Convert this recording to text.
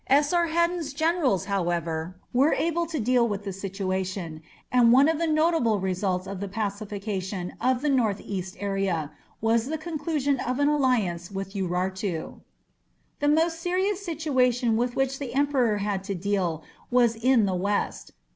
Esarhaddon's generals, however, were able to deal with the situation, and one of the notable results of the pacification of the north eastern area was the conclusion of an alliance with Urartu. The most serious situation with which the emperor had to deal was in the west.